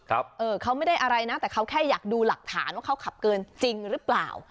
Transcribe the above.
เออเขาไม่ได้อะไรนะแต่เขาแค่อยากดูหลักฐานว่าเขาขับเกินจริงหรือเปล่า